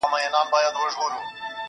چي زما پیاله راله نسکوره له آسمانه سوله،